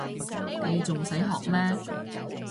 你仲使學咩